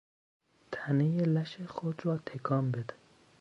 تنهی لش خود را تکان بده!